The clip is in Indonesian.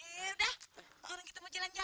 yaudah kurang kita mau jalan jalan